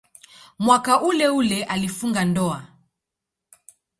Mwaka uleule alifunga ndoa.